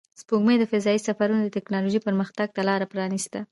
سپوږمۍ د فضایي سفرونو د تکنالوژۍ پرمختګ ته لار پرانیسته